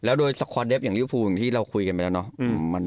แล้วโดยสคอนเดฟอย่างริวฟูอย่างที่เราคุยกันไปแล้วเนาะ